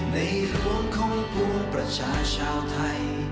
ในรวมของภูมิประชาชาวไทย